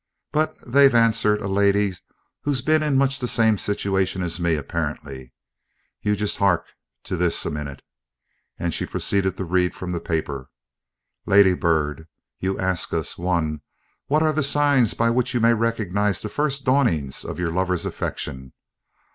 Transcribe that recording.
But they've answered a lady who's bin in much the same situation as me aperiently. You just 'ark to this a minute." And she proceeded to read from her paper: "'Lady Bird. You ask us (1) what are the signs by which you may recognise the first dawnings of your lover's affection.